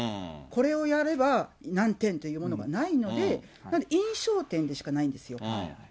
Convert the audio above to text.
これをやれば、何点というものがないので、印象点でしかないんですよ。